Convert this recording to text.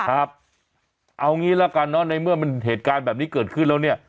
ครับเอางี้ละกันเนอะในเมื่อมันเหตุการณ์แบบนี้เกิดขึ้นแล้วเนี่ย